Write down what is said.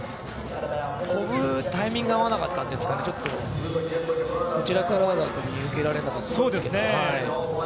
跳ぶタイミングが合わなかったんですかね、こちらからだと見受けられなかった。